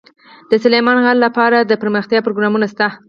د سلیمان غر لپاره دپرمختیا پروګرامونه شته.